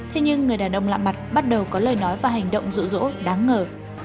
thế nhưng người đàn ông lạ mặt bắt đầu có lời nói và hành động rụ rỗ đáng ngờ